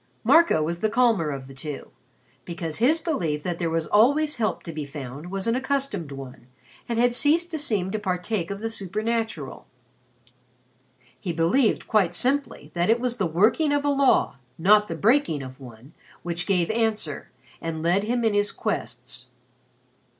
Marco was the calmer of the two, because his belief that there was always help to be found was an accustomed one and had ceased to seem to partake of the supernatural. He believed quite simply that it was the working of a law, not the breaking of one, which gave answer and led him in his quests.